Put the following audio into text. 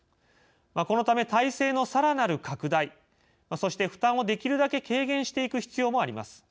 このため体制のさらなる拡大そして負担を、できるだけ軽減していく必要もあります。